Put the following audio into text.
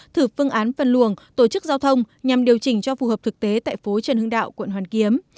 thử phương án phân luồng tổ chức giao thông nhằm điều chỉnh cho phù hợp thực tế tại phố trần hưng đạo quận hoàn kiếm